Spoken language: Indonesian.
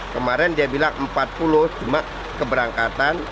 kemarin dia bilang empat puluh cuma keberangkatan